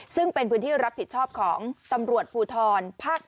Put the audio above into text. ซึ่งเป็นพื้นที่รับผิดชอบของตำรวจภูทรภาค๗